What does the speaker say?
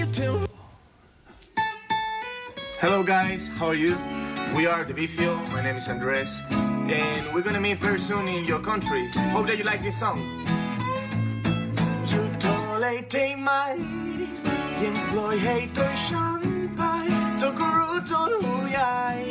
เทมัยเย็นพลอยเฮ้ยโตย์ชัมปัยทุกรุตรหุยัย